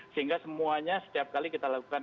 sehingga semuanya setiap kali kita lakukan